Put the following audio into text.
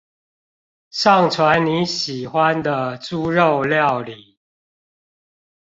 上傳你喜歡的豬肉料理